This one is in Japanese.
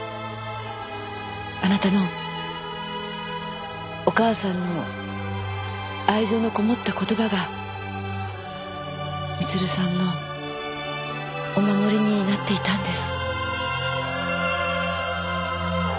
あなたのお母さんの愛情のこもった言葉が光留さんのお守りになっていたんです。